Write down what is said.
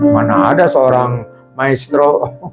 mana ada seorang maestro